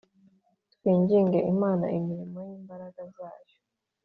Twinginge imana imirimo yimbaraga zayo